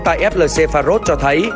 tại flc phá rốt cho thấy